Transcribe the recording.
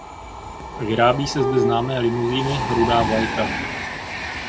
Vyrábí se zde známé limuzíny "Rudá vlajka".